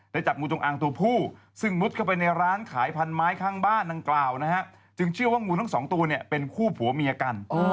เห็นงูจงอ้างขนาดใหญ่นี่นะฮะ